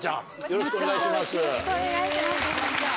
よろしくお願いします。